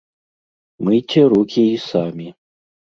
Мыйце рукі і самі.